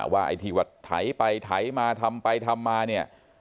ไอ้ที่ว่าไถไปไถมาทำไปทำมาเนี่ย